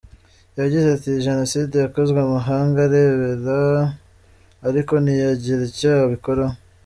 Yagize ati” Iyi Jenoside yakozwe amahanga arebera ariko ntiyagira icyo abikoraho.